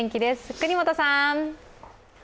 國本さん！